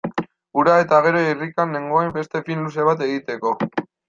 Hura eta gero irrikan nengoen beste film luze bat egiteko.